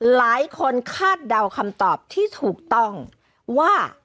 คาดเดาคำตอบที่ถูกต้องว่า